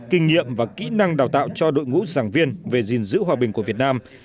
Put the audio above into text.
kinh nghiệm và kỹ năng đào tạo cho đội ngũ giảng viên về gìn giữ hòa bình của việt nam